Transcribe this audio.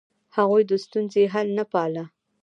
هغوی د ستونزې حل نه پاله.